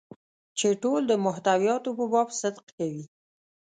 چې ټول د محتویاتو په باب صدق کوي.